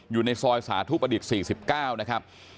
อยู่ในซอยสาธุประดิษฐ์๔๙นะครับ